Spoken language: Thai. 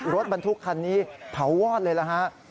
รถบรรทุกคันนี้เผาวอดเลยนะฮะ